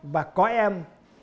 và có em